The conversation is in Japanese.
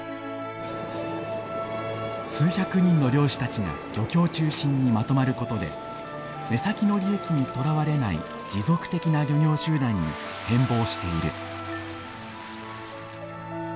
数百人の漁師たちが漁協中心にまとまることで目先の利益にとらわれない持続的な漁業集団に変貌している。